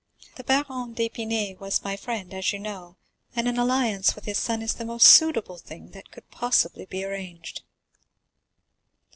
The Baron d'Épinay was my friend, as you know, and an alliance with his son is the most suitable thing that could possibly be arranged."